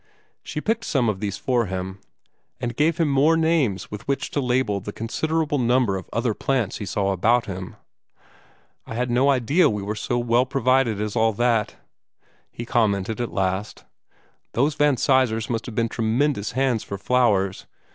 She picked some of these for him, and gave him more names with which to label the considerable number of other plants he saw about him. "I had no idea we were so well provided as all this," he commented at last. "Those Van Sizers must have been tremendous hands for flowers.